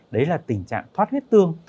đấy là tình trạng thoát huyết tương